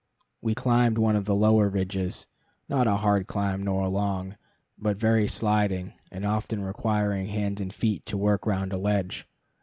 We climbed one of the lower ridges, not a hard climb nor long, but very sliding, and often requiring hands and feet to work round a ledge.